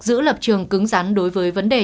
giữ lập trường cứng rắn đối với vấn đề